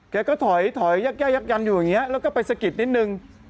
แกก็ถอยแยกยังอยู่อย่างนี้แล้วก็ไปสะกิดนิดหนึ่ง